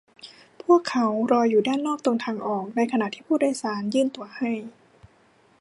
พวกเขารออยู่ด้านนอกตรงทางออก ในขณะที่ผู้โดยสารยื่นตั๋วให้